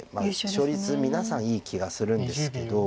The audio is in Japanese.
勝率皆さんいい気がするんですけど。